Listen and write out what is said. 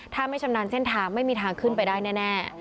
ถ้าไม่ชำนาญเส้นทางไม่มีทางขึ้นไปได้แน่